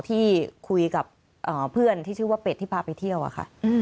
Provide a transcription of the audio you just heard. ที่คุยกับเพื่อนที่ชื่อว่าเป็ดที่พาไปเที่ยวอะค่ะ